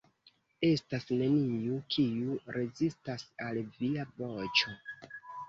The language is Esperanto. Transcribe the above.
Estas neniu, kiu rezistas al Via voĉo.